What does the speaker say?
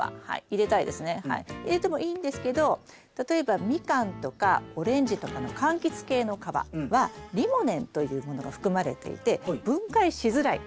入れてもいいんですけど例えばミカンとかオレンジとかのかんきつ系の皮はリモネンというものが含まれていて分解しづらい。